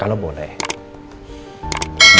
kalau boleh mirna jadi tim gue